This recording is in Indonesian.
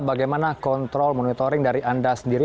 bagaimana kontrol monitoring dari anda sendiri